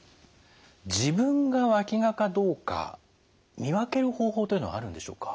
自分がわきがかどうか見分ける方法というのはあるんでしょうか？